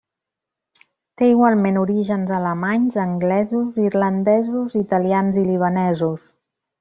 Té igualment orígens alemanys, anglesos, irlandesos, italians i libanesos.